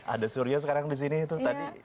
ada surya sekarang di sini tuh tadi